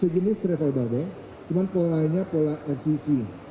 kita sudah selesai mengambil vaksin